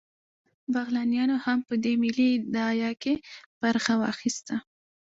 بغلانیانو هم په دې ملي داعیه کې برخه واخیسته